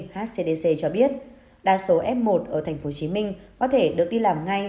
hcdc cho biết đa số f một ở tp hcm có thể được đi làm ngay